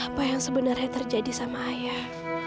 apa yang sebenarnya terjadi sama ayah